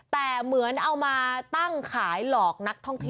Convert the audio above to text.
แต่เหมือนเอามาตั้งขายหลอกนักท่องเที่ยว